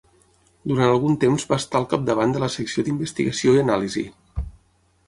Durant algun temps va estar al capdavant de la secció d'investigació i anàlisi.